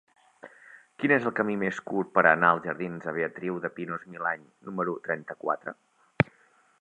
Quin és el camí més curt per anar als jardins de Beatriu de Pinós-Milany número trenta-quatre?